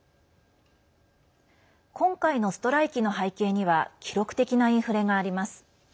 今回のストライキの背景には記録的なインフレがあります。